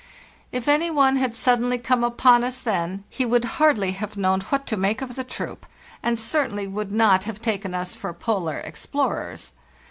If any one had suddenly come upon us then, he would hardly have known what to make of the troupe, and certainly would not have taken us for polar explorers.